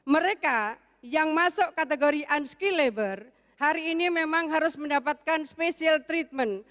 mereka yang masuk kategori unskillever hari ini memang harus mendapatkan special treatment